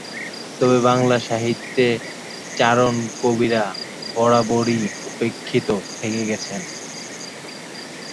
তবে বাংলা সাহিত্যে চারণ কবিরা বরাবরই উপেক্ষিত থেকে গেছেন।